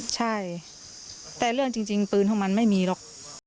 ใช่แต่เรื่องจริงปืนของมันไม่มีหรอก